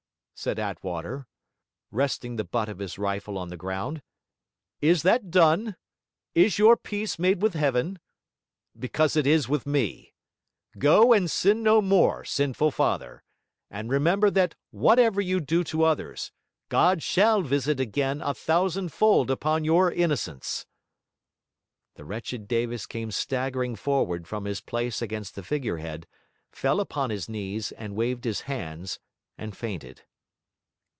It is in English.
said Attwater, resting the butt of his rifle on the ground, 'is that done? Is your peace made with Heaven? Because it is with me. Go, and sin no more, sinful father. And remember that whatever you do to others, God shall visit it again a thousand fold upon your innocents.' The wretched Davis came staggering forward from his place against the figure head, fell upon his knees, and waved his hands, and fainted.